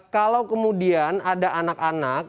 kalau kemudian ada anak anak